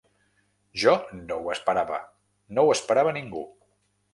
Jo no ho esperava, no ho esperava ningú.